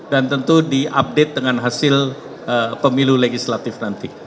dan tentu diupdate dengan hasil pemilu legislatif nanti